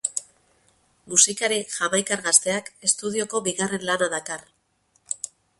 Musikari jamaikar gazteak estudioko bigarren lana dakar.